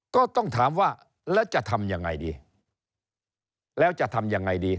ก็ต้องถามว่าแล้วจะทำยังไงดีแล้วจะทำยังไงดี